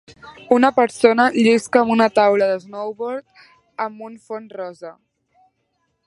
una persona llisca amb una taula de snowboard amb un fons rosa